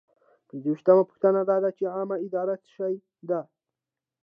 پنځویشتمه پوښتنه دا ده چې عامه اداره څه شی ده.